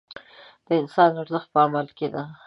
د انسان ارزښت په عمل کې دی.